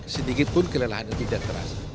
sedikitpun kelelahan itu tidak terasa